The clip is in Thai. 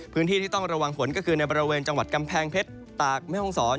พื้นที่ที่ต้องระวังฝนก็คือในบริเวณจังหวัดกำแพงเพชรตากแม่ห้องศร